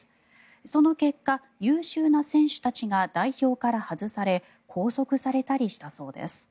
その結果、優秀な選手たちが代表から外され拘束されたりしたそうです。